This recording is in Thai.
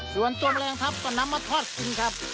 ส่วนต้นแรงทัพก็นำมาทอดกินครับ